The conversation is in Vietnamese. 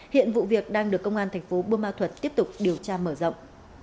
hiện vụ việc đang được công an tp bumathuat tiếp tục điều tra mở rộng